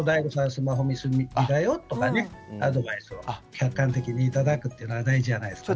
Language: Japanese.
スマホ、見すぎたよとかねアドバイスを客観的にいただくというのが大事じゃないですかね。